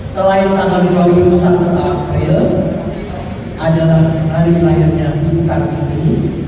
selain tanggal dua puluh satu april adalah hari lahirnya kebakaran ini